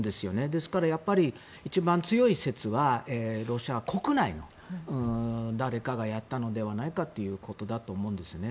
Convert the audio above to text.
ですから、やっぱり一番強い説はロシア国内の誰かがやったのではないかということだと思うんですよね。